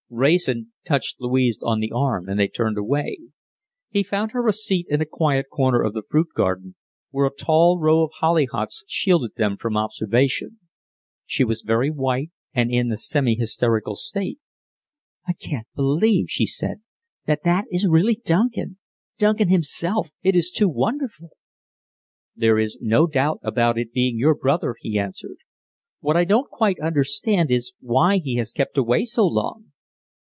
Wrayson touched Louise on the arm and they turned away. He found her a seat in a quiet corner of the fruit garden, where a tall row of hollyhocks shielded them from observation. She was very white, and in a semi hysterical state. "I can't believe," she said, "that that is really Duncan Duncan himself. It is too wonderful!" "There is no doubt about it being your brother," he answered. "What I don't quite understand is why he has kept away so long."